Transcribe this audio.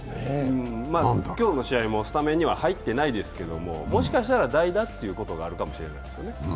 今日の試合もスタメンには入ってないですけど、もしかしたら代打ということがあるかもしれないですよね。